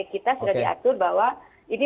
kita sudah diatur bahwa ini